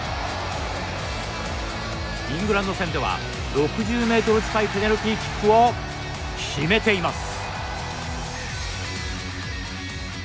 イングランド戦では６０メートル近いペナルティーキックを決めています。